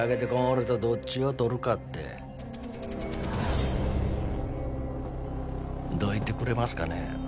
俺とどっちをとるかってどいてくれますかね